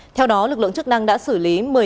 theo đó lực lượng chức năng đã xử lý